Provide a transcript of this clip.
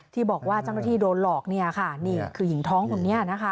ที่บอกว่าเจ้าหน้าที่โดนหลอกเนี่ยค่ะนี่คือหญิงท้องคนนี้นะคะ